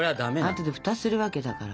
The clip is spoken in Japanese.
あとで蓋するわけだから。